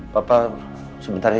papa sebentar ya